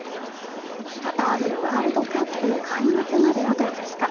カタールワールドカップ開幕まであと２日。